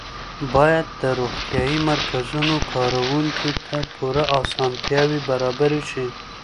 باید د روغتیایي مرکزونو کارکوونکو ته پوره اسانتیاوې برابرې شي.